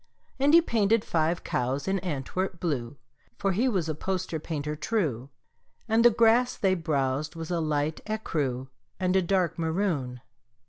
And he painted five cows in Antwerp blue (For he was a poster painter true), And the grass they browsed was a light écru And a dark maroon.